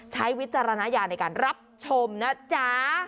วิจารณญาณในการรับชมนะจ๊ะ